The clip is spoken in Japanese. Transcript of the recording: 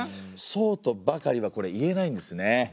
そうとばかりはこれ言えないんですね。